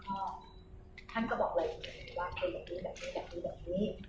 ท่านก็บอกเลยว่าคนแบบนี้คนแบบนี้คนแบบนี้